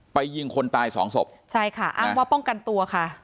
ยิงคนตายสองศพใช่ค่ะอ้างว่าป้องกันตัวค่ะ